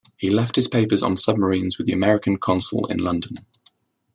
He left his papers on submarines with the American consul in London.